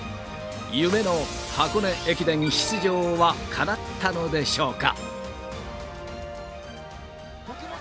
夢の箱根駅伝出場はかなったのでしょうか。